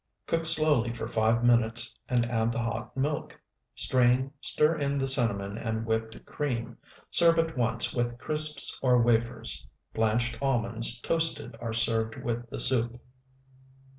Cook slowly for five minutes and add the hot milk. Strain, stir in the cinnamon and whipped cream. Serve at once with crisps or wafers. Blanched almonds toasted are served with the soup.